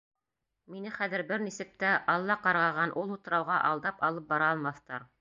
Мине хәҙер бер нисек тә Алла ҡарғаған ул утрауға алдап алып бара алмаҫтар.